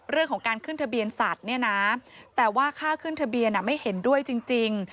เรื่องของการขึ้นทะเบียนสัตว์เนี่ยนะแต่ว่าค่าขึ้นทะเบียนไม่เห็นด้วยจริง